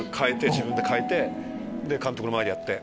自分で変えて監督の前でやって。